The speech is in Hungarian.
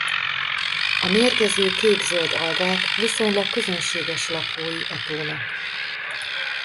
A mérgező kék-zöld algák viszonylag közönséges lakói a tónak.